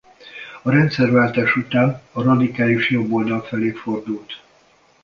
A rendszerváltás után a radikális jobboldal felé fordult.